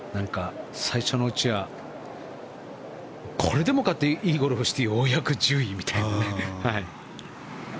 最初のうちはこれでもかっていいゴルフをしてようやく１０位みたいな。